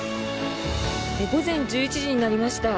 午前１１時になりました。